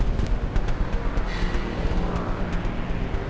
tapi kalau pun dia ditangkap